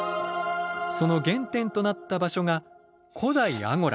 その原点となった場所が「古代アゴラ」。